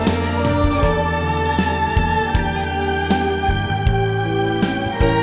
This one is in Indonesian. aku menduduki mereka